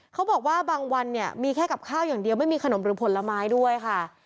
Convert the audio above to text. เขาบอกว่าบางวันเนี่ยมีแค่กับข้าวอย่างเดียวไม่มีขนมหรือผลไม้ด้วยค่ะ